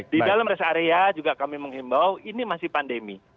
di dalam rest area juga kami menghimbau ini masih pandemi